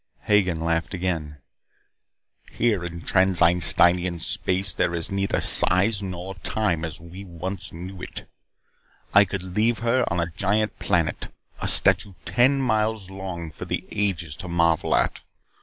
Hagen laughed again. "Here in Trans Einsteinian space there is neither size nor time as we once knew it. I could leave her on a giant planet, a statue ten miles long for the ages to marvel at.